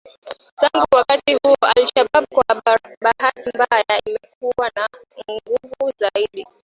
Tangu wakati huo al-Shabab kwa bahati mbaya imekuwa na nguvu zaidi